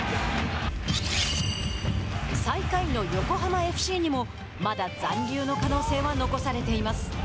最下位の横浜ＦＣにもまだ残留の可能性は残されています。